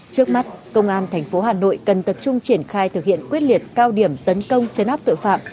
trước mắt công an tp hà nội cần tập trung triển khai thực hiện quyết liệt cao điểm tấn công chấn áp tội phạm